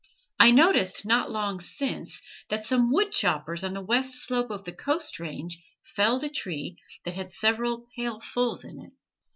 I noticed not long since, that some wood choppers on the west slope of the Coast Range felled a tree that had several pailfuls in it.